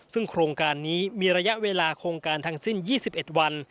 ซึ่งโครงการนี้มีระยะเวลาโครงการทั้งสิ้น๒๑วัน